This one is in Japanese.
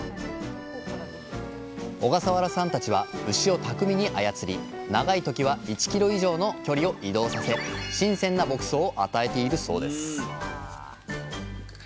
小笠原さんたちは牛を巧みに操り長い時は１ｋｍ以上の距離を移動させ新鮮な牧草を与えているそうです